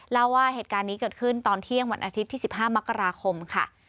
เล่าว่าเหตุการณ์นี้เกิดขึ้นตอนเที่ยงวันอาทิตย์ที่๑๕มกราคมค่ะ